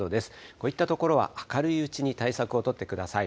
こういった所は明るいうちに対策を取ってください。